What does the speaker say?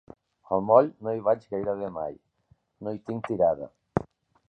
Al moll, no hi vaig gairebé mai: no hi tinc tirada.